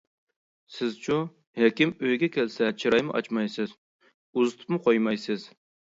سىزچۇ، ھېكىم ئۆيگە كەلسە چىرايمۇ ئاچمايسىز، ئۇزىتىپمۇ قويمايسىز.